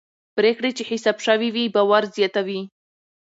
پرېکړې چې حساب شوي وي باور زیاتوي